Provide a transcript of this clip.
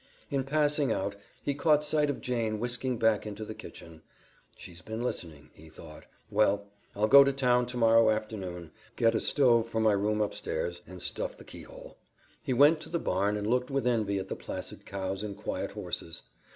In passing out, he caught sight of Jane whisking back into the kitchen. "She's been listening," he thought. "Well, I'll go to town tomorrow afternoon, get a stove for my room upstairs, and stuff the keyhole." He went to the barn and looked with envy at the placid cows and quiet horses.